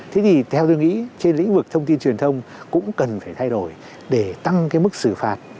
thế thì theo tôi nghĩ trên lĩnh vực thông tin truyền thông cũng cần phải thay đổi để tăng cái mức xử phạt